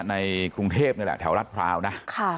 ในกรุงเทพฯแถวรัฐพราวนะ